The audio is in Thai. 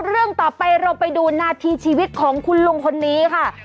เราไปดูหน้าที่ชีวิตของคุณลุงคนนี้ค่ะ